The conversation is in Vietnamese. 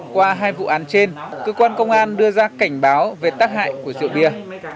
qua hai vụ án trên cơ quan công an đưa ra cảnh báo về tác hại của rượu bia